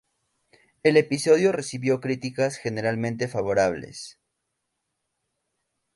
El episodio recibió críticas generalmente favorables.